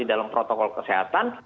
dan protokol kesehatan